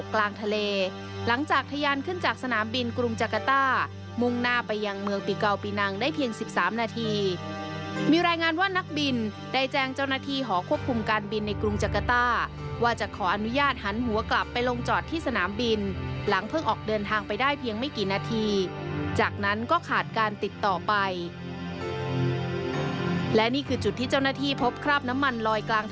กลางทะเลหลังจากทะยานขึ้นจากสนามบินกรุงจักรต้ามุ่งหน้าไปยังเมืองปีเกาปีนังได้เพียง๑๓นาทีมีรายงานว่านักบินได้แจ้งเจ้าหน้าที่หอควบคุมการบินในกรุงจักรต้าว่าจะขออนุญาตหันหัวกลับไปลงจอดที่สนามบินหลังเพิ่งออกเดินทางไปได้เพียงไม่กี่นาทีจากนั้นก็ขาดการติดต่อไปและนี่คือจุดที่เจ้าหน้าที่พบคราบน้ำมันลอยกลาง